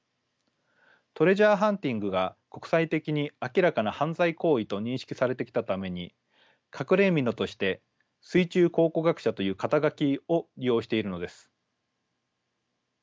トレジャーハンティングが国際的に明らかな犯罪行為と認識されてきたために隠れ蓑として水中考古学者という肩書を利用しているのです。